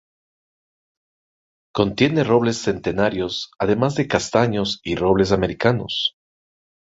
Contiene robles centenarios además de castaños y robles americanos.